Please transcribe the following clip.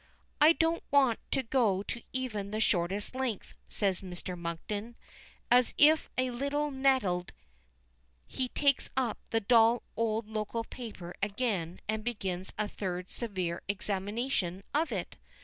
"I don't want to go to even the shortest length," says Mr. Monkton. As if a little nettled he takes up the dull old local paper again and begins a third severe examination of it.